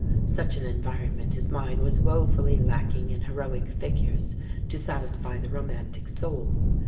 Such an environment as mine was woefully lacking in heroic figures to satisfy the romantic soul.